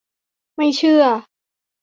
ไม่เชื่อ !